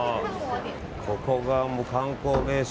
ここが観光名所。